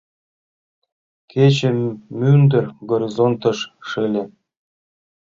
Кече мӱндыр горизонтеш шыле.